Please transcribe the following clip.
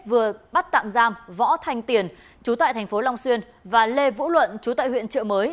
vừa bắt tạm giam võ thành tiền chú tại tp long xuyên và lê vũ luận chú tại huyện trợ mới